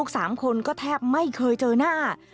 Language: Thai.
สามคนก็แทบไม่เคยเจอหน้า